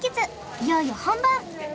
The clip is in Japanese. いよいよ本番！